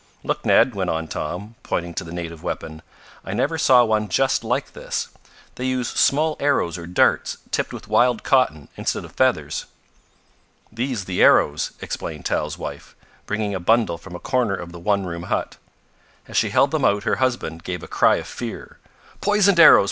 "Look, Ned," went on Tom, pointing to the native weapon. "I never saw one just like this. They use small arrows or darts, tipped with wild cotton, instead of feathers." "These the arrows," explained Tal's wife, bringing a bundle from a corner of the one room hut. As she held them out her husband gave a cry of fear. "Poisoned arrows!